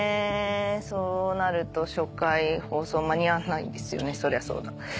そうなると初回放送間に合わないそりゃそうだ。